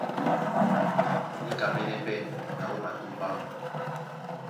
Níkamɛ́nɛ́ pɛ́ na ó matúmbá.